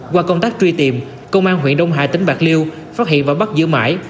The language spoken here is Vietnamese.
qua công tác truy tìm công an huyện đông hải tỉnh bạc liêu phát hiện và bắt giữ mãi